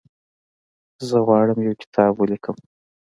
زه غواړم یو کتاب ولیکم.